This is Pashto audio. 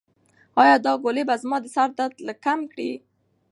ایا دا ګولۍ به زما د سر درد لږ کم کړي؟